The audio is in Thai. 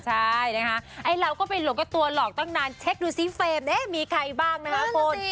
ใช่นะคะไอ้เราก็ไปหลบกับตัวหลอกตั้งนานเช็คดูซิเฟรมเนี่ยมีใครบ้างนะคะคุณ